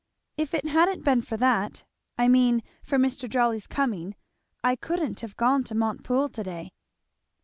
If it hadn't been for that, I mean, for Mr. Jolly's coming I couldn't have gone to Montepoole to day."